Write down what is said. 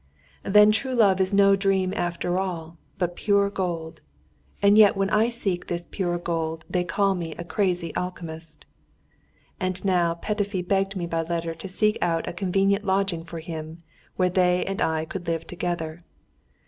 Then true love is no dream after all, but pure gold. And yet when I seek this pure gold they call me a crazy alchemist! And now Petöfi begged me by letter to seek out a convenient lodging for him, where they and I could live together.